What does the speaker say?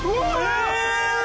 え！